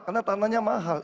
karena tanahnya mahal